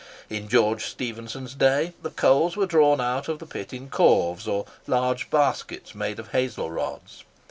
In George Stephenson's day the coals were drawn out of the pit in corves, or large baskets made of hazel rods.